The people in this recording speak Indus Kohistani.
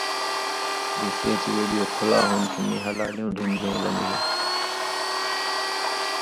گِشے چےۡ وِڈیو کُھلاؤ ہُون٘د کِھیں مِیں ہَلالِیوں ڈِھمبژیں لَمِگے،